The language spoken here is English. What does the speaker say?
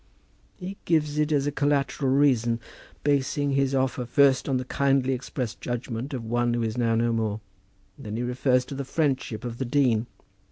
"He gives it as a collateral reason, basing his offer first on the kindly expressed judgment of one who is now no more. Then he refers to the friendship of the dean.